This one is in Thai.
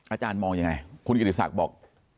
อาจารย์มองอย่างไรคุณกิริษักริชาบอก